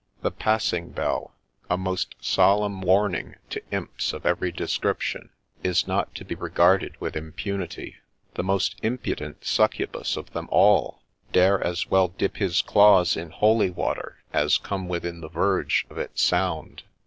The passing bell ! a most solemn warning to imps of every description, is not to be regarded with impunity ; the most impudent Succubus of them all dare as well dip his claws in holy water as come within the verge of its sound.